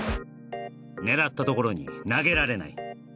狙ったところに投げられない